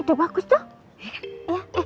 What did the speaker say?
itu bagus tuh